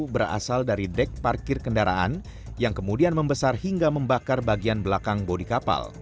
berasal dari dek parkir kendaraan yang kemudian membesar hingga membakar bagian belakang bodi kapal